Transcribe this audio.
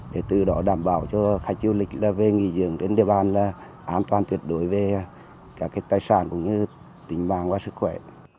để từ đó đảm bảo cho khách du lịch là về nghỉ giường đến địa bàn là an toàn tuyệt đối về các cái tài sản cũng như tình mạng và sức khỏe